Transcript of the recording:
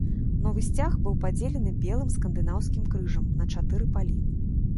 Новы сцяг быў падзелены белым скандынаўскім крыжам на чатыры палі.